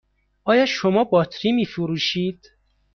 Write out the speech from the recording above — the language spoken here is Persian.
آیا شما باطری می فروشید؟